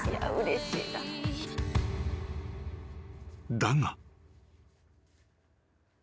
［だが］